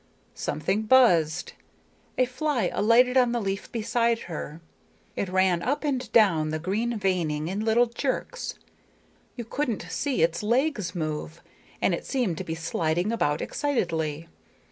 Something buzzed; a fly alighted on the leaf beside her. It ran up and down the green veining in little jerks. You couldn't see its legs move, and it seemed to be sliding about excitedly.